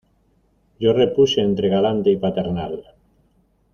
yo repuse entre galante y paternal: